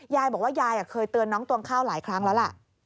ยายบอกว่ายายเคยเตือนน้องตวงข้าวหลายครั้งแล้วล่ะ